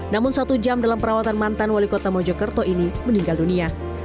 namun satu jam dalam perawatan mantan wali kota mojokerto ini meninggal dunia